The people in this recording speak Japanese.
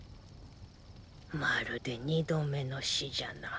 まるで２度目の死じゃな。